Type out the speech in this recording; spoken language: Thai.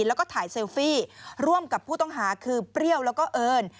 แล้วก็ถ่ายเซลฟี่ร่วมกับผู้ต้องหาคือเปรี้ยวแล้วก็เอิญ